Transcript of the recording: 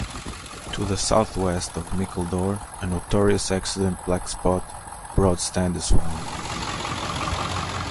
To the south-west of Mickledore, a notorious accident blackspot, Broad Stand is found.